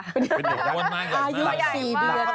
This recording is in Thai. อายุ๔เดือน